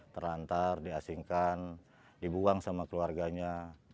terlantar diasingkan dibuang sama keluarganya